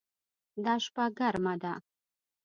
دا شپه ګرمه ده